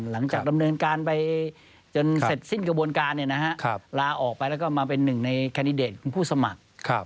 แล้วก็มาเป็นหนึ่งในแคนดเดตของผู้สมัคร